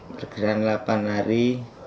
berkiraan delapan hari